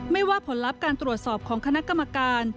ไม่ว่าผลลัพธ์การตรวจสอบของคณะกรรมการ